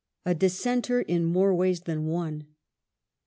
A dissenter in more ways than one.